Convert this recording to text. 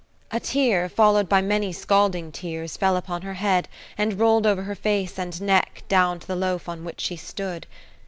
A tear, followed by many scalding tears, fell upon her head, and rolled over her face and neck, down to the loaf on which she stood.